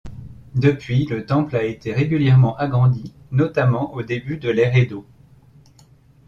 Depuis le temple a été régulièrement agrandi, notamment au début de l'ère Edo.